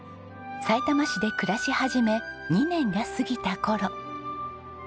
さいたま市で暮らし始め２年が過ぎた頃。